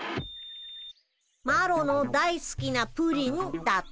「マロのだいすきなプリン」だって。